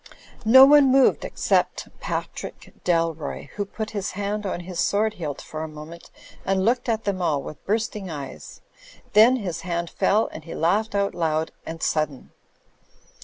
No one moved except Patrick Dalroy, who put his hand on his sword hilt for a moment and looked at them all with bursting eyes; then his hand fell and he laughed out loud and sudden.